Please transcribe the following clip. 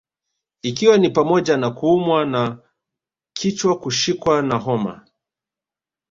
Ikiwa ni pamoja na kuumwa na kichwakushikwa na homa